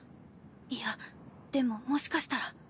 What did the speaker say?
いやでももしかしたら。